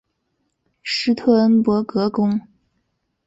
施特恩伯格宫。